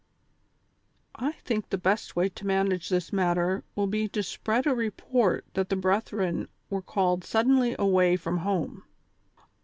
" I think the best way to manage this matter will be to spread a report that the brethren were called suddenly away from home.